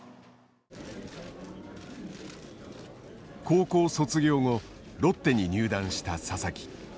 高校卒業後ロッテに入団した佐々木。